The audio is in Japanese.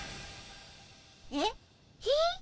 えっ？